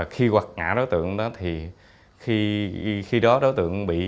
khi hoạt ngã đối tượng khi đó đối tượng bị